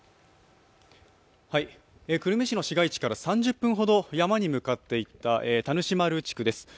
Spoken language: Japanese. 久留米市の市街地から３０分ほど山に向かっていった田主丸地区です。